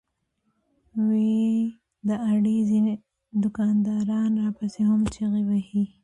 وې ئې " د اډې ځنې دوکانداران راپسې هم چغې وهي